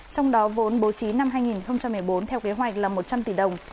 trong đó vốn bố trí năm hai nghìn một mươi bốn theo kế hoạch là một trăm linh tỷ đồng